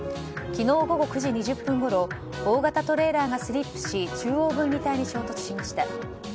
昨日午後９時２０分ごろ大型トレーラーがスリップし中央分離帯に衝突しました。